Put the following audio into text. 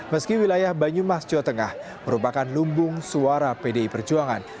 meski wilayah banyumas jawa tengah merupakan lumbung suara pdi perjuangan